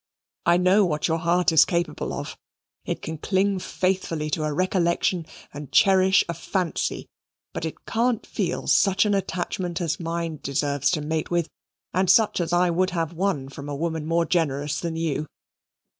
I know what your heart is capable of: it can cling faithfully to a recollection and cherish a fancy, but it can't feel such an attachment as mine deserves to mate with, and such as I would have won from a woman more generous than you.